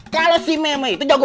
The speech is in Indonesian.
kalau si meme itu jago